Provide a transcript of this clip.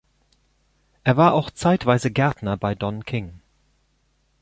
Er war auch zeitweise Gärtner bei Don King.